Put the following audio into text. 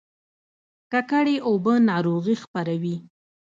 ککړې اوبه ناروغي خپروي